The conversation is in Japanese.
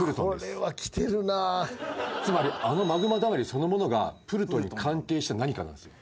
つまりあのマグマだまりそのものがプルトンに関係した何かなんすよ。